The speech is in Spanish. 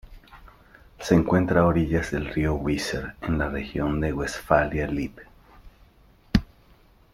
Se encuentra a orillas del río Weser, en la región de Westfalia-Lippe.